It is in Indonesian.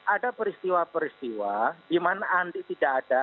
ada peristiwa peristiwa di mana andi tidak ada